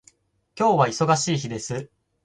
今日は忙しい日です。